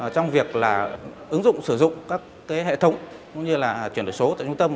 trong việc ứng dụng sử dụng các hệ thống như là chuyển đổi số tại trung tâm